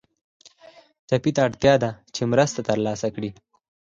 ټپي ته اړتیا ده چې مرسته تر لاسه کړي.